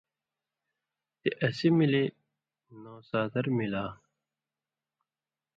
تے اسی ملی نوسادر مِلا